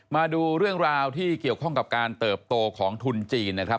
มาดูเรื่องราวที่เกี่ยวข้องกับการเติบโตของทุนจีนนะครับ